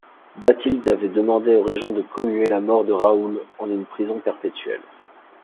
Bathilde avait demandé au régent de commuer la mort de Raoul en une prison perpétuelle.